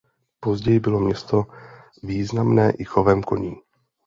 Později bylo město významné i chovem koní.